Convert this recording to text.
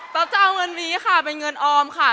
จะเอาเงินนี้ค่ะเป็นเงินออมค่ะ